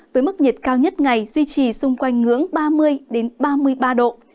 với mức nhiệt cao nhất ngày duy trì xung quanh ngưỡng ba mươi ba mươi ba độ